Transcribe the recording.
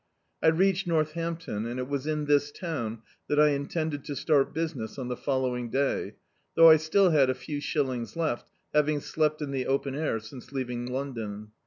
I reached Nortliampt(Hi, and it was in this town that I intended to start business on the following day, though I still had a few shillings left, having slept in the open air since leaving Lcoidon.